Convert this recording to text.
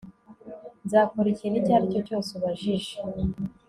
Nzakora ikintu icyo ari cyo cyose ubajije